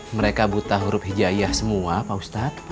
mereka buta huruf hijayah semua pak ustadz